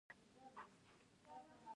ایا زه تبرکلوز لرم؟